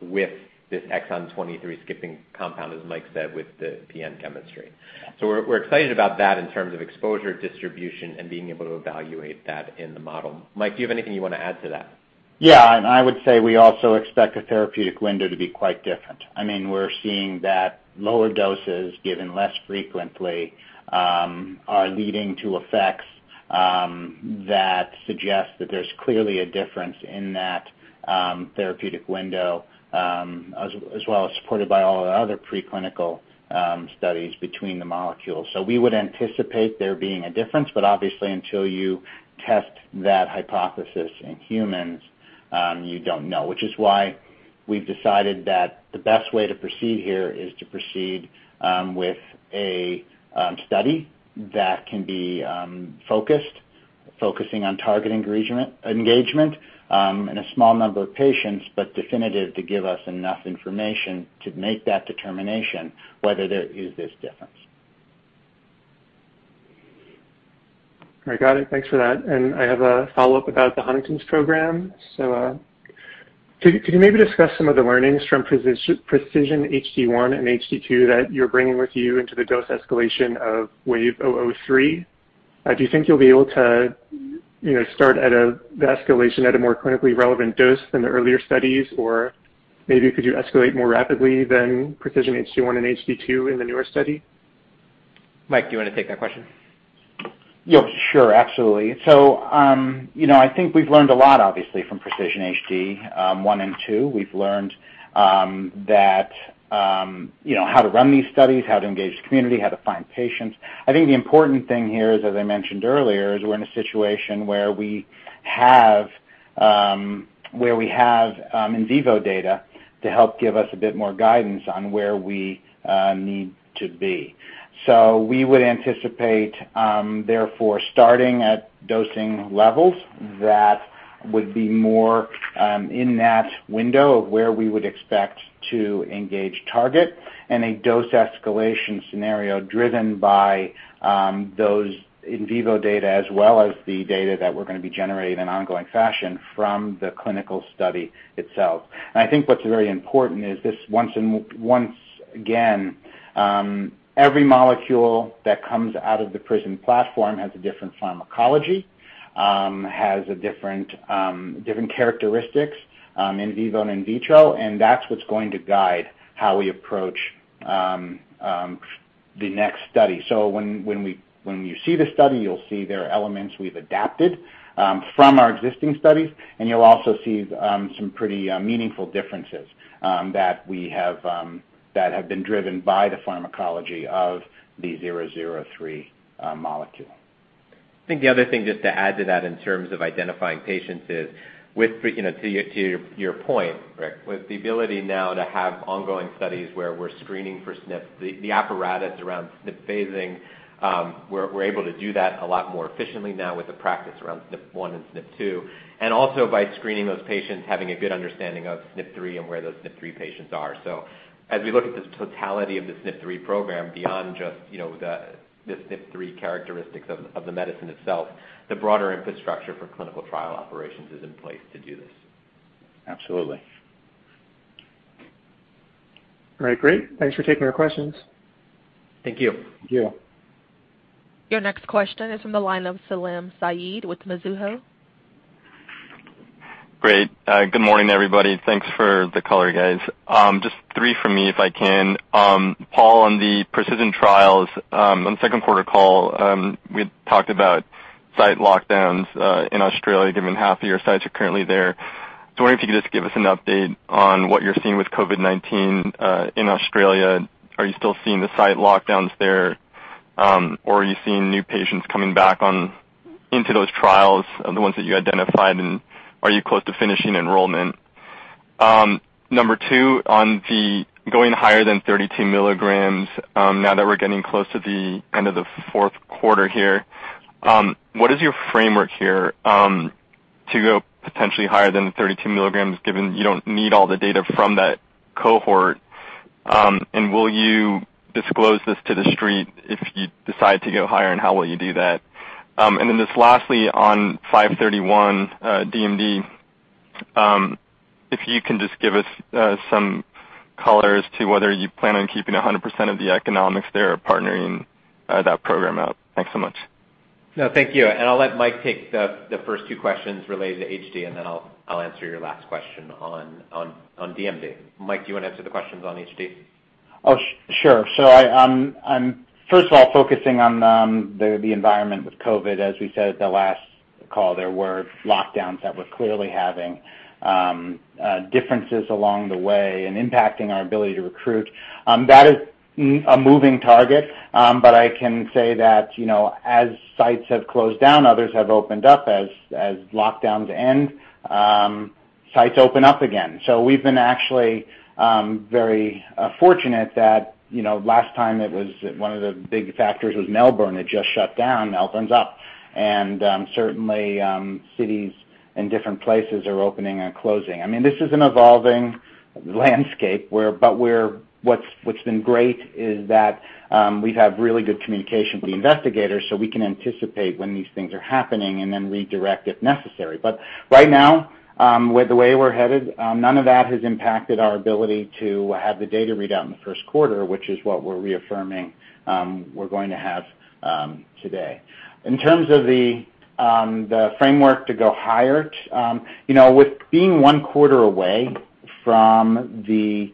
with this exon 23 skipping compound, as Mike said, with the PN chemistry. We're excited about that in terms of exposure, distribution, and being able to evaluate that in the model. Mike, do you have anything you want to add to that? Yeah, I would say we also expect the therapeutic window to be quite different. We're seeing that lower doses given less frequently are leading to effects that suggest that there's clearly a difference in that therapeutic window, as well as supported by all the other preclinical studies between the molecules. We would anticipate there being a difference, but obviously until you test that hypothesis in humans, you don't know. Which is why we've decided that the best way to proceed here is to proceed with a study that can be focused, focusing on targeting engagement in a small number of patients, but definitive to give us enough information to make that determination whether there is this difference. All right. Got it. Thanks for that. I have a follow-up about the Huntington's program. Could you maybe discuss some of the learnings from PRECISION-HD1 and PRECISION-HD2 that you're bringing with you into the dose escalation of WVE-003? Do you think you'll be able to start the escalation at a more clinically relevant dose than the earlier studies? Maybe could you escalate more rapidly than PRECISION-HD1 and PRECISION-HD2 in the newer study? Mike, do you want to take that question? Yeah, sure. Absolutely. I think we've learned a lot, obviously, from PRECISION-HD1 and 2. We've learned how to run these studies, how to engage the community, how to find patients. I think the important thing here is, as I mentioned earlier, is we're in a situation where we have in vivo data to help give us a bit more guidance on where we need to be. We would anticipate, therefore, starting at dosing levels that would be more in that window of where we would expect to engage target and a dose escalation scenario driven by those in vivo data as well as the data that we're going to be generating in ongoing fashion from the clinical study itself. I think what's very important is this, once again, every molecule that comes out of the PRISM platform has a different pharmacology, has different characteristics, in vivo and in vitro, and that's what's going to guide how we approach the next study. When you see the study, you'll see there are elements we've adapted from our existing studies, and you'll also see some pretty meaningful differences that have been driven by the pharmacology of the 003 molecule. I think the other thing just to add to that in terms of identifying patients is with, to your point, Rick, with the ability now to have ongoing studies where we're screening for SNP, the apparatus around SNP phasing, we're able to do that a lot more efficiently now with the practice around SNP1 and SNP2. Also by screening those patients, having a good understanding of SNP3 and where those SNP3 patients are. As we look at the totality of the SNP3 program, beyond just the SNP3 characteristics of the medicine itself, the broader infrastructure for clinical trial operations is in place to do this. Absolutely. All right. Great. Thanks for taking our questions. Thank you. Thank you. Your next question is from the line of Salim Syed with Mizuho. Great. Good morning, everybody. Thanks for the color, guys. Just three from me, if I can. Paul, on the PRECISION trials, on the second quarter call, we had talked about site lockdowns in Australia, given half of your sites are currently there. I was wondering if you could just give us an update on what you're seeing with COVID-19, in Australia. Are you still seeing the site lockdowns there? Or are you seeing new patients coming back into those trials, the ones that you identified, and are you close to finishing enrollment? Number two, on the going higher than 32 mg, now that we're getting close to the end of the fourth quarter here. What is your framework here to go potentially higher than 32 mg, given you don't need all the data from that cohort? Will you disclose this to the street if you decide to go higher, and how will you do that? Lastly, on 531 DMD, if you can just give us some color as to whether you plan on keeping 100% of the economics there or partnering that program out? Thanks so much. No, thank you. I'll let Mike take the first two questions related to HD, and then I'll answer your last question on DMD. Mike, do you want to answer the questions on HD? Sure. I'm first of all focusing on the environment with COVID. As we said at the last call, there were lockdowns that were clearly having differences along the way and impacting our ability to recruit. That is a moving target. I can say that as sites have closed down, others have opened up. As lockdowns end, sites open up again. We've been actually very fortunate that last time it was one of the big factors was Melbourne had just shut down. Melbourne's up. Certainly, cities and different places are opening and closing. This is an evolving landscape. What's been great is that we have really good communication with the investigators, so we can anticipate when these things are happening and then redirect if necessary. Right now, with the way we're headed, none of that has impacted our ability to have the data readout in the first quarter, which is what we're reaffirming we're going to have today. In terms of the framework to go higher, with being one quarter away from the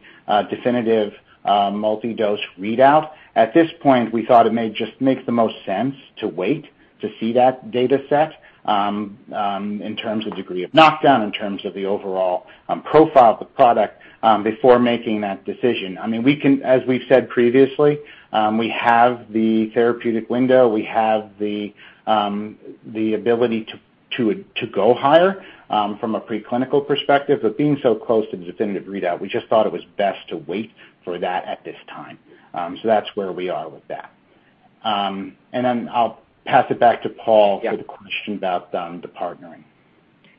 definitive multi-dose readout, at this point, we thought it may just make the most sense to wait to see that data set in terms of degree of knockdown, in terms of the overall profile of the product before making that decision. As we've said previously, we have the therapeutic window. We have the ability to go higher from a preclinical perspective. Being so close to the definitive readout, we just thought it was best to wait for that at this time. That's where we are with that. I'll pass it back to Paul. Yeah. For the question about the partnering.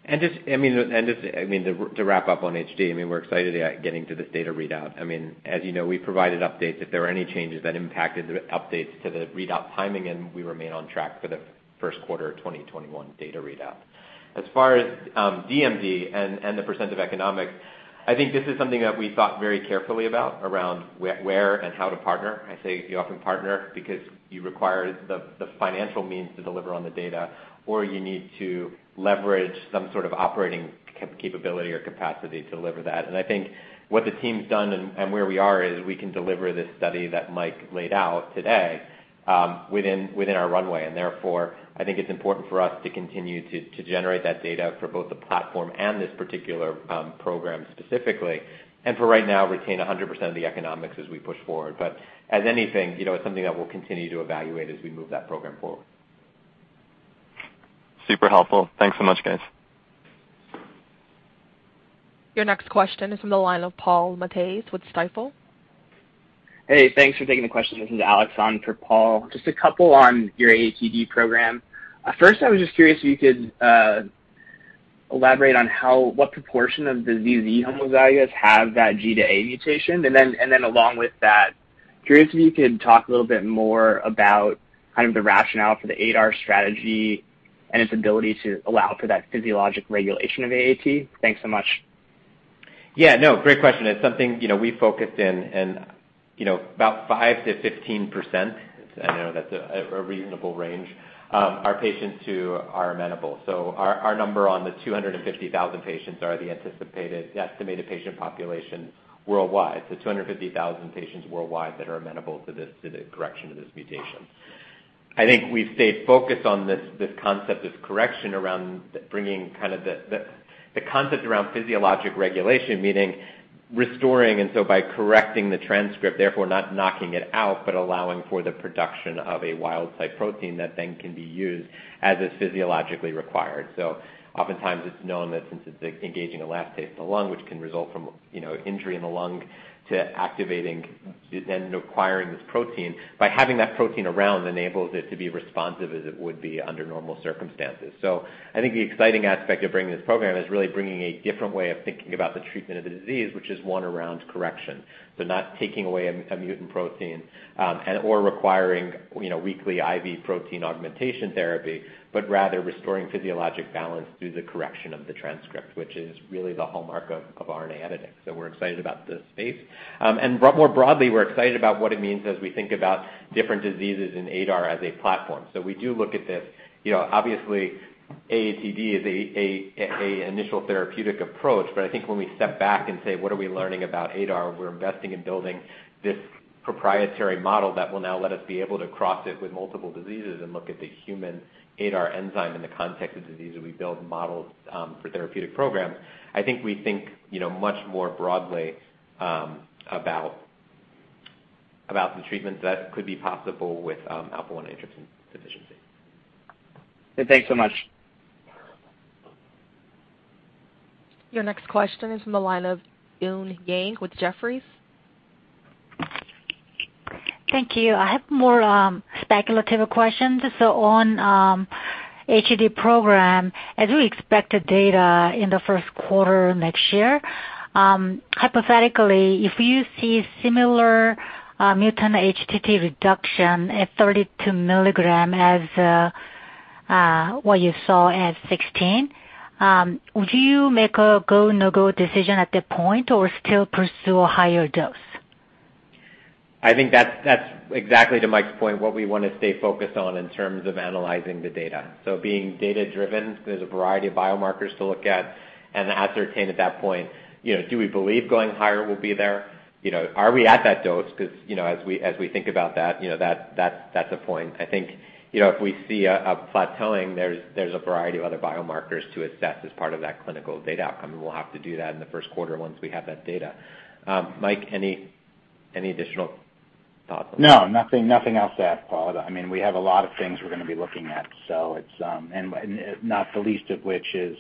Just to wrap up on HD, we're excited at getting to this data readout. As you know, we provided updates if there were any changes that impacted the updates to the readout timing, and we remain on track for the first quarter 2021 data readout. As far as DMD and the percent of economics, I think this is something that we thought very carefully about, around where and how to partner. I say you often partner because you require the financial means to deliver on the data, or you need to leverage some sort of operating capability or capacity to deliver that. I think what the team's done and where we are is we can deliver this study that Mike laid out today within our runway. Therefore, I think it's important for us to continue to generate that data for both the platform and this particular program specifically. For right now, retain 100% of the economics as we push forward. As anything, it's something that we'll continue to evaluate as we move that program forward. Super helpful. Thanks so much, guys. Your next question is from the line of Paul Matteis with Stifel. Hey, thanks for taking the question. This is [Alex] on for Paul. Just a couple on your AATD program. First, I was just curious if you could elaborate on what proportion of the ZZ homozygotes have that G to A mutation. Then along with that, curious if you could talk a little bit more about the rationale for the ADAR strategy and its ability to allow for that physiologic regulation of AAT? Thanks so much. Yeah, no, great question. It's something we focused in, and about 5%-15%, I know that's a reasonable range, are patients who are amenable. Our number on the 250,000 patients are the estimated patient population worldwide. 250,000 patients worldwide that are amenable to the correction of this mutation. I think we've stayed focused on this concept of correction around bringing the concept around physiologic regulation, meaning restoring, and so by correcting the transcript, therefore not knocking it out, but allowing for the production of a wild-type protein that then can be used as is physiologically required. Oftentimes it's known that since it's engaging elastase in the lung, which can result from injury in the lung to activating and acquiring this protein, by having that protein around enables it to be responsive as it would be under normal circumstances. I think the exciting aspect of bringing this program is really bringing a different way of thinking about the treatment of the disease, which is one around correction. Not taking away a mutant protein or requiring weekly IV protein augmentation therapy, but rather restoring physiologic balance through the correction of the transcript, which is really the hallmark of RNA editing. We're excited about this space. More broadly, we're excited about what it means as we think about different diseases in ADAR as a platform. We do look at this, obviously AATD is an initial therapeutic approach, but I think when we step back and say, what are we learning about ADAR? We're investing in building this proprietary model that will now let us be able to cross it with multiple diseases and look at the human ADAR enzyme in the context of diseases. We build models for therapeutic programs. I think we think much more broadly about the treatments that could be possible with Alpha-1 antitrypsin deficiency. Thanks so much. Your next question is from the line of Eun Yang with Jefferies. Thank you. I have more speculative questions. On HD program, as we expect the data in the first quarter next year, hypothetically, if you see similar mutant HTT reduction at 32 mg as what you saw at 16 mg, would you make a go, no-go decision at that point, or still pursue a higher dose? I think that's exactly, to Mike's point, what we want to stay focused on in terms of analyzing the data. Being data-driven, there's a variety of biomarkers to look at and ascertain at that point, do we believe going higher will be there? Are we at that dose? As we think about that's a point. I think, if we see a plateauing, there's a variety of other biomarkers to assess as part of that clinical data outcome, and we'll have to do that in the first quarter once we have that data. Mike, any additional thoughts? No, nothing else to add, Paul. We have a lot of things we're going to be looking at, not the least of which is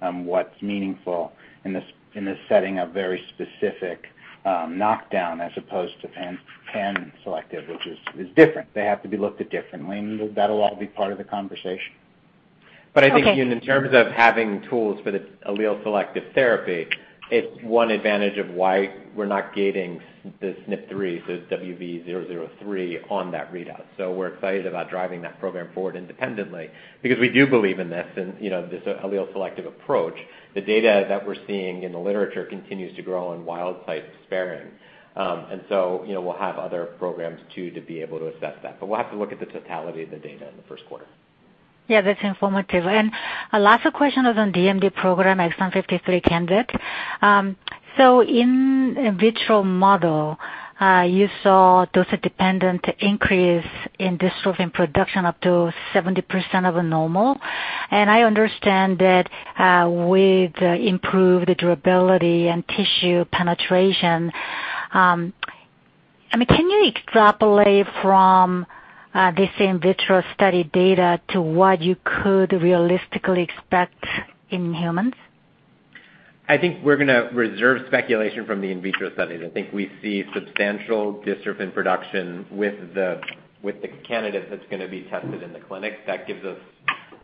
what's meaningful in this setting, a very specific knockdown as opposed to pan-selective, which is different. They have to be looked at differently, that'll all be part of the conversation. Okay. I think in terms of having tools for the allele-selective therapy, it's one advantage of why we're not gating the SNP3, so WVE-003 on that readout. We're excited about driving that program forward independently because we do believe in this and this allele-selective approach. The data that we're seeing in the literature continues to grow on wild type sparing. We'll have other programs too to be able to assess that. We'll have to look at the totality of the data in the first quarter. Yeah, that's informative. Last question is on DMD program, exon 53 candidate. In in vitro model, you saw dose-dependent increase in dystrophin production up to 70% of normal. I understand that with improved durability and tissue penetration. Can you extrapolate from this in vitro study data to what you could realistically expect in humans? I think we're going to reserve speculation from the in vitro studies. I think we see substantial dystrophin production with the candidate that's going to be tested in the clinic. That gives us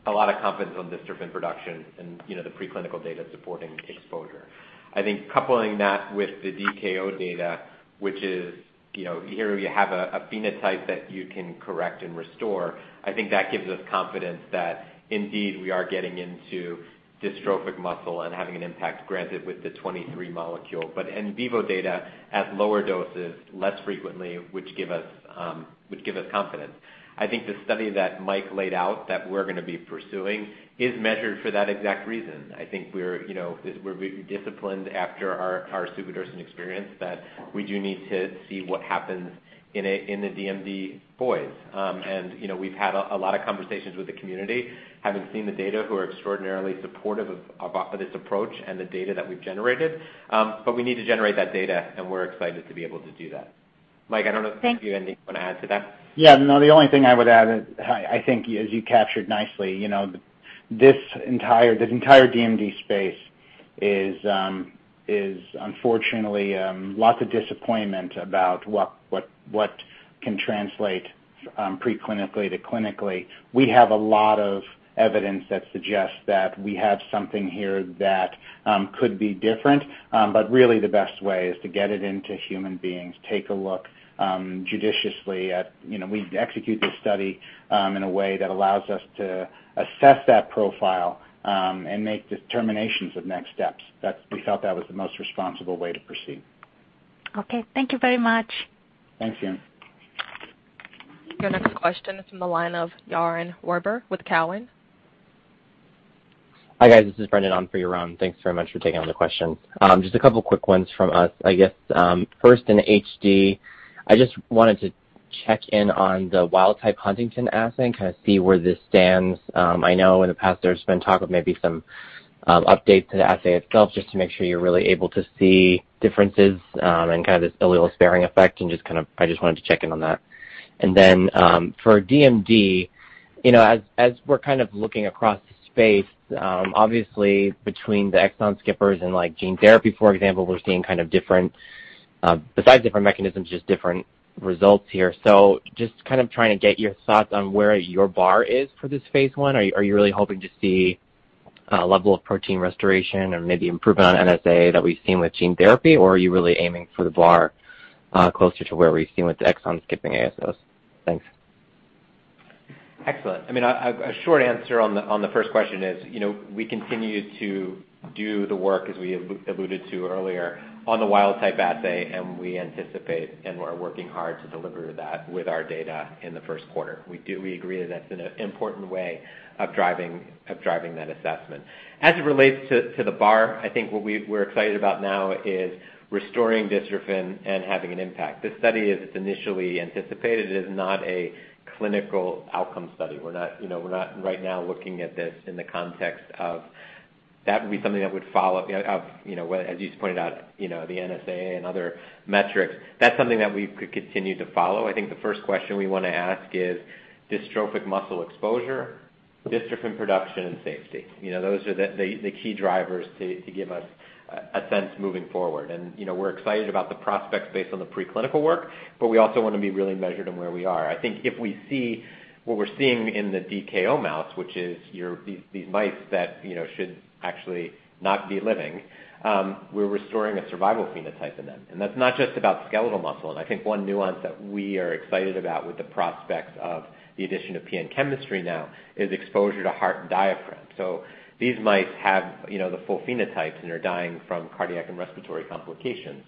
a lot of confidence on dystrophin production and the preclinical data supporting exposure. I think coupling that with the DKO data, which is here you have a phenotype that you can correct and restore, I think that gives us confidence that indeed we are getting into dystrophic muscle and having an impact, granted with the 23 molecule. In vivo data at lower doses less frequently, which give us confidence. I think the study that Mike laid out that we're going to be pursuing is measured for that exact reason. I think we're disciplined after our suvodirsen experience that we do need to see what happens in the DMD boys. We've had a lot of conversations with the community, having seen the data, who are extraordinarily supportive of this approach and the data that we've generated. We need to generate that data, and we're excited to be able to do that. Mike, I don't know if you have anything you want to add to that? No, the only thing I would add is I think as you captured nicely, this entire DMD space is unfortunately lots of disappointment about what can translate preclinically to clinically. We have a lot of evidence that suggests that we have something here that could be different. Really the best way is to get it into human beings, take a look judiciously at. We execute this study in a way that allows us to assess that profile and make determinations of next steps. We felt that was the most responsible way to proceed. Okay. Thank you very much. Thanks, Eun. Your next question is from the line of Yaron Werber with Cowen. Hi, guys. This is [Brendan] on for Yaron. Thanks very much for taking all the questions. Just a couple quick ones from us. I guess, first in HD, I just wanted to check in on the wild-type huntingtin assay and kind of see where this stands. I know in the past there's been talk of maybe some updates to the assay itself, just to make sure you're really able to see differences and this allele-sparing effect. I just wanted to check in on that. For DMD, as we're looking across the space, obviously between the exon skippers and gene therapy, for example, we're seeing besides different mechanisms, just different results here. Just trying to get your thoughts on where your bar is for this phase I. Are you really hoping to see a level of protein restoration or maybe improvement on NSAA that we've seen with gene therapy? Are you really aiming for the bar closer to where we've seen with the exon skipping ASOs? Thanks. Excellent. A short answer on the first question is, we continue to do the work, as we alluded to earlier, on the wild-type assay. We anticipate and we're working hard to deliver that with our data in the first quarter. We agree that that's an important way of driving that assessment. As it relates to the bar, I think what we're excited about now is restoring dystrophin and having an impact. This study, as initially anticipated, is not a clinical outcome study. We're not right now looking at this in the context of that would be something that would follow up, as you pointed out, the NSAA and other metrics. That's something that we could continue to follow. I think the first question we want to ask is dystrophic muscle exposure Dystrophin production and safety. Those are the key drivers to give us a sense moving forward. We're excited about the prospects based on the preclinical work, but we also want to be really measured on where we are. I think if we see what we're seeing in the DKO mouse, which is these mice that should actually not be living, we're restoring a survival phenotype in them. That's not just about skeletal muscle. I think one nuance that we are excited about with the prospects of the addition of PN chemistry now is exposure to heart and diaphragm. These mice have the full phenotypes, and they're dying from cardiac and respiratory complications.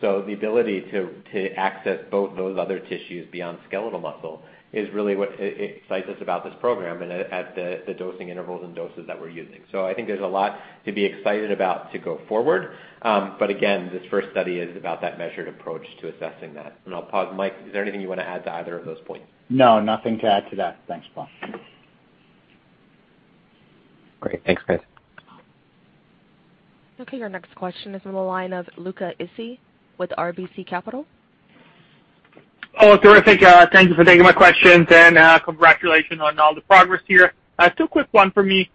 The ability to access both those other tissues beyond skeletal muscle is really what excites us about this program and at the dosing intervals and doses that we're using. I think there's a lot to be excited about to go forward. Again, this first study is about that measured approach to assessing that. I'll pause. Mike, is there anything you want to add to either of those points? No, nothing to add to that. Thanks, Paul. Great. Thanks, guys. Okay, your next question is on the line of Luca Issi with RBC Capital. Terrific. Thank you for taking my questions, and congratulations on all the progress here. Two quick one for me.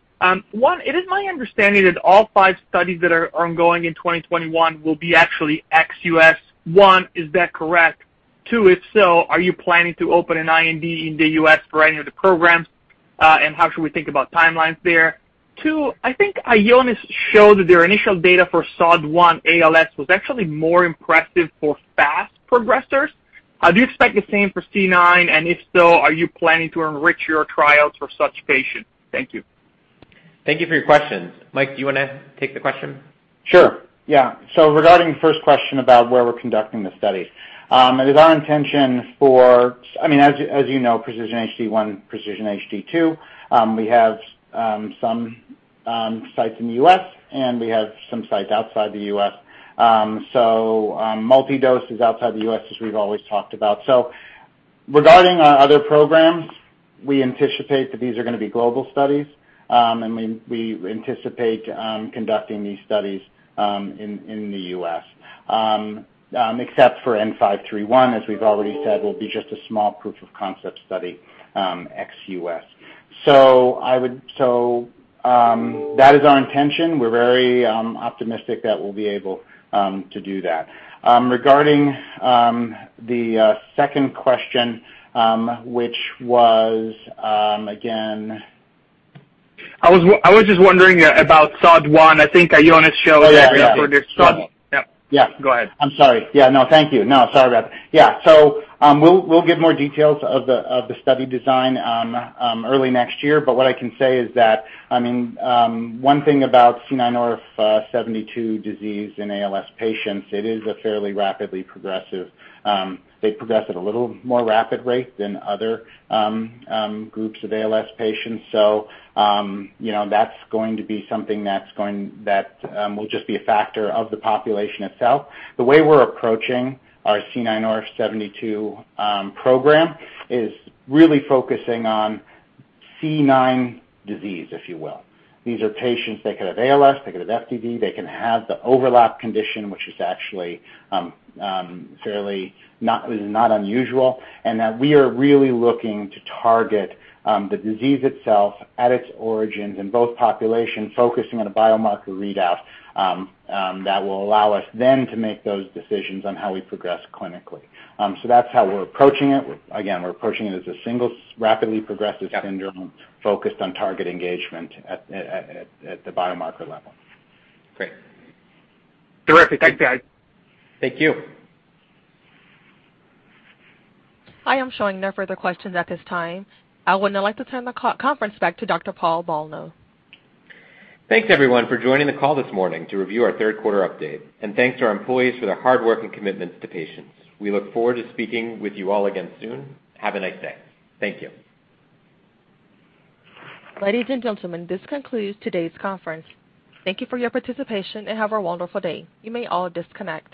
One, it is my understanding that all five studies that are ongoing in 2021 will be actually ex-U.S. One, is that correct? Two, if so, are you planning to open an IND in the U.S. for any of the programs? How should we think about timelines there? Two, I think Ionis showed that their initial data for SOD1-ALS was actually more impressive for fast progressors. Do you expect the same for C9? If so, are you planning to enrich your trials for such patients? Thank you. Thank you for your questions. Mike, do you want to take the question? Sure. Yeah. Regarding the first question about where we're conducting the studies. It is our intention as you know, PRECISION-HD1, PRECISION-HD2, we have some sites in the U.S., and we have some sites outside the U.S. multi-dose is outside the U.S., as we've always talked about. Regarding our other programs, we anticipate that these are going to be global studies. We anticipate conducting these studies in the U.S., except for N531, as we've already said, will be just a small proof of concept study ex-U.S. That is our intention. We're very optimistic that we'll be able to do that. Regarding the second question. I was just wondering about SOD1. I think Ionis showed. Oh, yeah. Yeah. Yeah. Go ahead. I'm sorry. Yeah. No, thank you. No, sorry about that. Yeah. We'll give more details of the study design early next year. What I can say is that, one thing about C9orf72 disease in ALS patients, it is a fairly rapidly progressive. They progress at a little more rapid rate than other groups of ALS patients. That's going to be something that will just be a factor of the population itself. The way we're approaching our C9orf72 program is really focusing on C9 disease, if you will. These are patients, they could have ALS, they could have FTD, they can have the overlap condition, which is actually fairly not unusual, and that we are really looking to target the disease itself at its origins in both populations, focusing on a biomarker readout that will allow us then to make those decisions on how we progress clinically. That's how we're approaching it. Again, we're approaching it as a single rapidly progressive syndrome focused on target engagement at the biomarker level. Great. Terrific. Thank you, guys. Thank you. I am showing no further questions at this time. I would now like to turn the conference back to Dr. Paul Bolno. Thanks everyone for joining the call this morning to review our third quarter update. Thanks to our employees for their hard work and commitments to patients. We look forward to speaking with you all again soon. Have a nice day. Thank you. Ladies and gentlemen, this concludes today's conference. Thank you for your participation, and have a wonderful day. You may all disconnect.